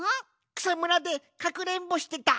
くさむらでかくれんぼしてた。